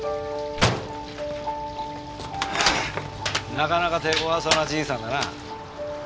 なかなか手ごわそうなじいさんだな。